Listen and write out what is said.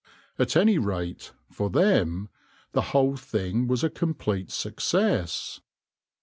At any rate, for them, the whole thing was a complete success.